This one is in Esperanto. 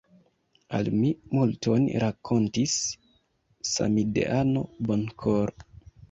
Al mi multon rakontis samideano Bonkor.